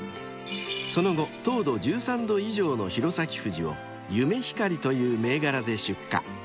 ［その後糖度１３度以上のひろさきふじを「夢ひかり」という銘柄で出荷］